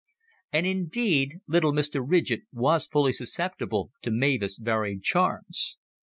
And indeed little Mr. Ridgett was fully susceptible to Mavis' varied charms.